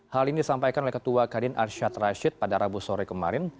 hal ini disampaikan oleh ketua kadin arsyad rashid pada rabu sore kemarin